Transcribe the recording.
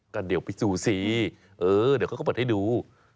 ก็เดี๋ยวไปสู้สิเดี๋ยวเขาก็เปิดให้ดู